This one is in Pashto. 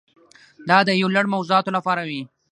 دا د یو لړ موضوعاتو لپاره وي.